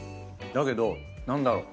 だけど何だろう？